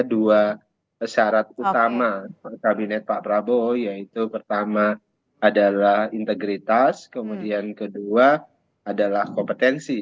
dua syarat utama kabinet pak prabowo yaitu pertama adalah integritas kemudian kedua adalah kompetensi